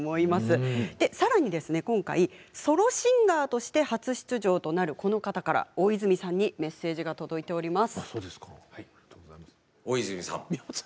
さらに今回ソロシンガーとして初出場となるこの方から大泉さんにメッセージがきています。